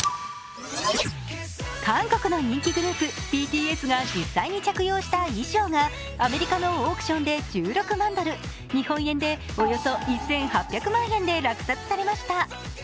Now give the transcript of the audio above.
韓国の人気グループ、ＢＴＳが実際に着用した衣裳がアメリカのオークションで１６万ドル、日本円でおよそ１８００万円で落札されました。